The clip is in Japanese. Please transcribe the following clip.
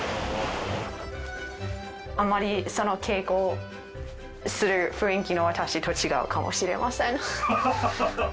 あまり稽古する雰囲気の私と違うかもしれません。